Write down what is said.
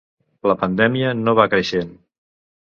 La pandèmia no va creixent.